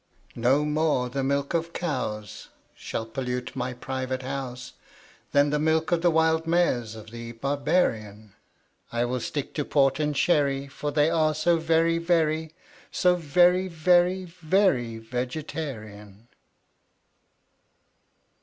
No more the milk of cows Shall pollute my private house Than the milk of the wild mares of the Barbarian; I will stick to port and sherry, For they are so very, very, So very, very, very Vegetarian.